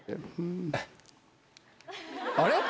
あれ？